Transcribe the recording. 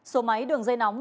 số máy đường dây nóng